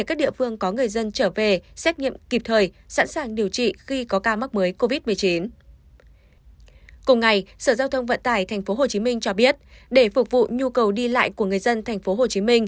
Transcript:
cùng ngày sở giao thông vận tải tp hcm cho biết để phục vụ nhu cầu đi lại của người dân tp hcm